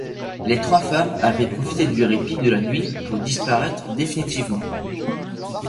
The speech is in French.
Les trois femmes avaient profité du répit de la nuit pour disparaître définitivement.